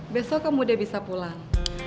besok kamu dia bisa pulang